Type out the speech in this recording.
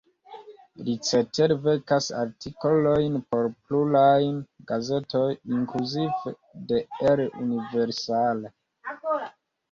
Li cetere verkas artikolojn por pluraj gazetoj, inkluzive de "El Universal".